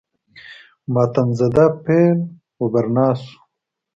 ماتم زده پیر و برنا شو.